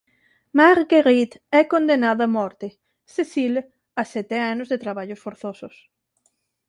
Marguerite é condenada a morte; Cécile a sete anos de traballos forzosos.